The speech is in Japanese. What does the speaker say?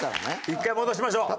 一回戻しましょう。